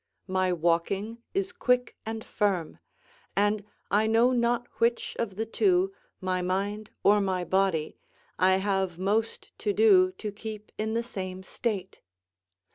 My walking is quick and firm; and I know not which of the two, my mind or my body, I have most to do to keep in the same state.